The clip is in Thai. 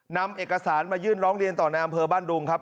นำเอกสารมายื่นร้องเรียนต่อในอำเภอบ้านดุงครับ